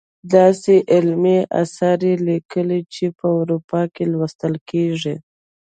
داسې علمي اثار یې لیکلي چې په اروپا کې لوستل کیږي.